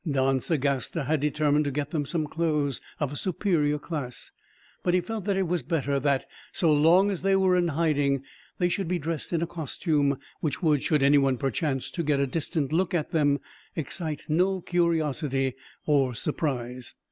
Don Sagasta had determined to get them some clothes of a superior class; but he felt that it was better that, so long as they were in hiding, they should be dressed in a costume which would, should anyone perchance get a distant look at them, excite no curiosity or surprise.